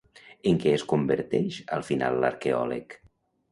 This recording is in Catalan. En què es converteix al final l'arqueòleg?